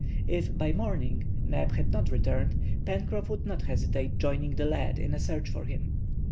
If, by morning, Neb had not returned, Pencroff would not hesitate joining the lad in a search for him.